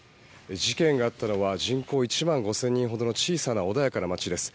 事件があったのは人口１万５０００人ほどの小さな穏やかな街です。